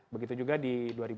begitu juga di dua ribu empat belas